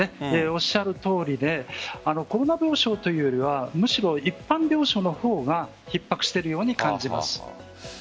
おっしゃるとおりでコロナ病床というよりはむしろ一般病床の方がひっ迫しているように感じます。